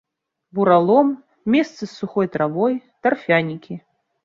Буралом, месцы з сухой травой, тарфянікі.